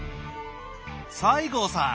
西郷さん！